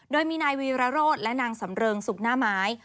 โดยมีนายวีรโรธและนางสำเริงสุกหน้าไม้